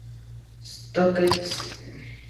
Stoke St.